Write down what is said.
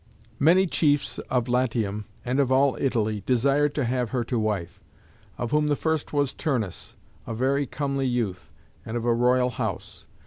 Many chiefs of Latium, and of all Italy, desired to have her to wife; of whom the first was Turnus, a very comely youth, and of a royal house.